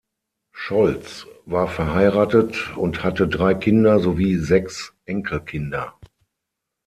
Scholz war verheiratet und hatte drei Kinder sowie sechs Enkelkinder.